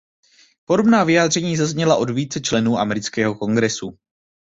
Podobná vyjádření zazněla od více členů amerického Kongresu.